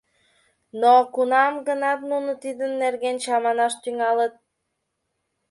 Но кунам-гынат нуно тидын нерген чаманаш тӱҥалыт.